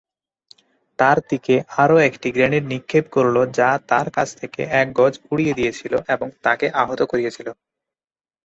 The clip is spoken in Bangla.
তার দিকে আরও একটি গ্রেনেড নিক্ষেপ করল যা তার কাছ থেকে এক গজ উড়িয়ে দিয়েছিল এবং তাকে আহত করেছিল।